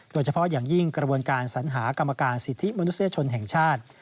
โดยเฉพาะอย่างยิ่งกระบวนการสัญหากรรมการสิทธิมนุษยชนแห่งชาติ